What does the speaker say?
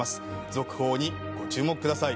続報にご注目ください。